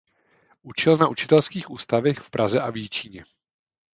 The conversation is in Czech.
Učil na učitelských ústavech v Praze a v Jičíně.